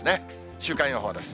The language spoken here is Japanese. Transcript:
週間予報です。